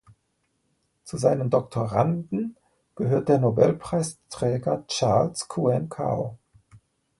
Zu seinen Doktoranden gehört der Nobelpreisträger Charles Kuen Kao.